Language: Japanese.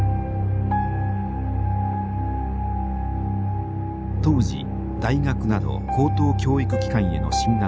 当時大学など高等教育機関への進学率は僅か３％。